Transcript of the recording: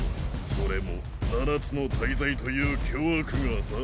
それも七つの大罪という巨悪がさ。